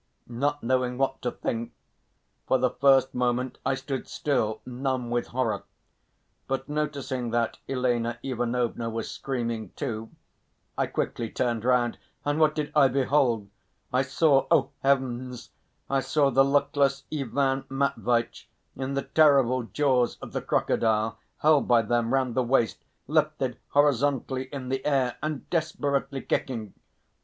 Not knowing what to think, for the first moment I stood still, numb with horror, but noticing that Elena Ivanovna was screaming too, I quickly turned round and what did I behold! I saw oh, heavens! I saw the luckless Ivan Matveitch in the terrible jaws of the crocodile, held by them round the waist, lifted horizontally in the air and desperately kicking.